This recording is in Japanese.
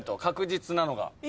確実なのが。